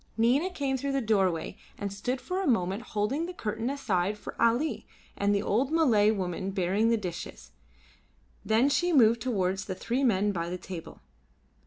Nina came through the doorway and stood for a moment holding the curtain aside for Ali and the old Malay woman bearing the dishes; then she moved towards the three men by the table.